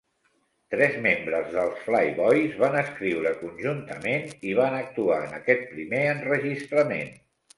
Tres membres dels Flyboys van escriure conjuntament i van actuar en aquest primer enregistrament.